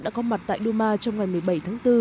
đã có mặt tại duma trong ngày một mươi bảy tháng bốn